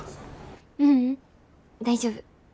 ううん大丈夫。